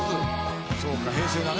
そうか平成だね。